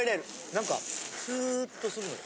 なんかスーッとするのよ。